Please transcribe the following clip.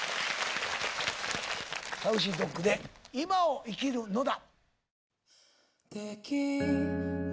ＳａｕｃｙＤｏｇで「現在を生きるのだ。」。